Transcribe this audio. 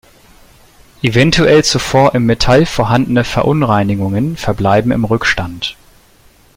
Eventuell zuvor im Metall vorhandene Verunreinigungen verbleiben im Rückstand.